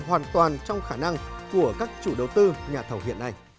hoàn toàn trong khả năng của các chủ đầu tư nhà thầu hiện nay